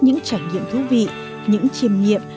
những trải nghiệm thú vị những chiềm nghiệm